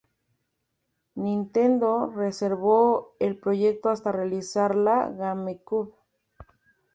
Nintendo reservó el proyecto hasta realizar la GameCube.